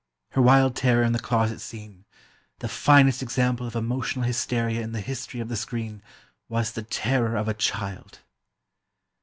Her wild terror in the closet scene—the finest example of emotional hysteria in the history of the screen—was the terror of a child."